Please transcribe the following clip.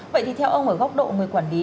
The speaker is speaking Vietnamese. vậy thì theo ông ở góc độ người quản lý